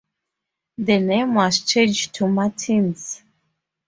The name was changed to Martin's.